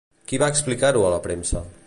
Qui va explicar-ho a la premsa?